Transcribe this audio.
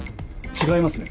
違いますね。